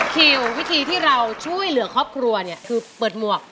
คิววิธีที่เราช่วยเหลือครอบครัวเนี่ยคือเปิดหมวก